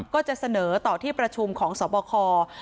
ก็จะเสนอต่อที่ประชุมของสบค